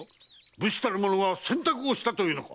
武士たるものが洗濯をしたというのか？